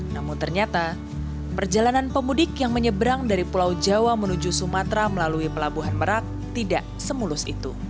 namun ternyata perjalanan pemudik yang menyeberang dari pulau jawa menuju sumatera melalui pelabuhan merak tidak semulus itu